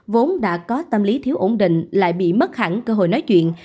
vốn đã có tâm lý thiếu ổn định lại bị mất hẳn cơ hội nói chuyện